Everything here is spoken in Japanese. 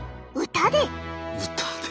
歌で。